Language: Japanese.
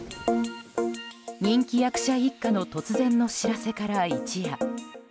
人気役者一家の突然の知らせから一夜。